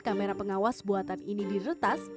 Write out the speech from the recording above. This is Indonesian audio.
kamera pengawas buatan ini diretas